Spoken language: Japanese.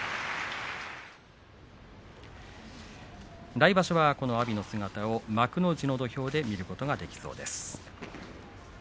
来場所は阿炎の姿を幕内の土俵で見ることができそうです。